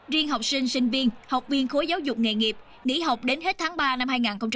riêng học sinh sinh viên học viên khối giáo dục nghề nghiệp nghỉ học đến hết tháng ba năm hai nghìn hai mươi